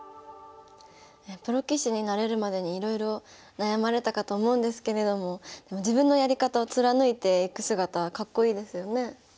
プロ棋士になれるまでにいろいろ悩まれたかと思うんですけれども自分のやり方を貫いていく姿はかっこいいですよね。